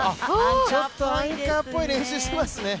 ちょっとアンカーっぽい練習していますね。